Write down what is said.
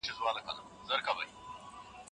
تاسو مه هېروئ چې ټولنپوهنه یو ارزښتناک علم دی.